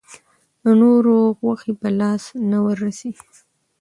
د نورو غوښې په لاس نه وررسي.